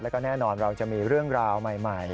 แล้วก็แน่นอนเราจะมีเรื่องราวใหม่